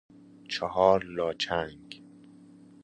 چهار لا چنگ